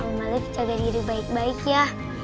om alif jaga diri baik baik ya